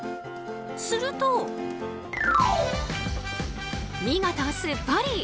すると、見事すっぽり！